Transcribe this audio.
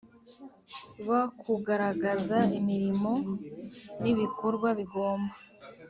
b kugaragaza imirimo n ibikorwa bigomba